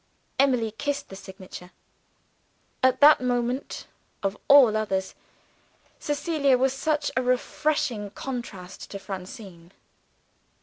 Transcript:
Emily kissed the signature. At that moment of all others, Cecilia was such a refreshing contrast to Francine!